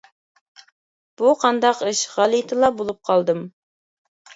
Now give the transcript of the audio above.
بۇ قانداق ئىش؟ غەلىتىلا بولۇپ قالدىم.